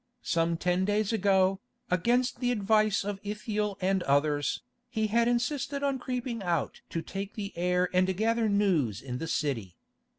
Some ten days ago, against the advice of Ithiel and others, he had insisted on creeping out to take the air and gather news in the city.